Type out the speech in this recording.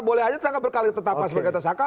boleh saja tersangka berkali tetapkan sebagai tersangka